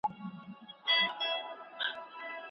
په ویډیوګانو کې ماشومان وخت اوږد احساسوي.